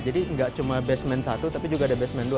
nggak cuma basement satu tapi juga ada basement dua